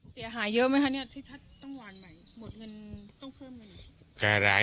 เสียหายเยอะมั้ยคะเนี่ยต้องวานหมาย